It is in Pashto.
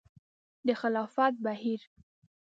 د خلاقیت بهیر